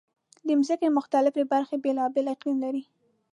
د ځمکې مختلفې برخې بېلابېل اقلیم لري.